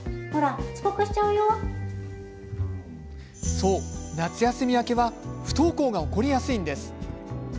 そう、夏休み明けは不登校が起こりやすいんです。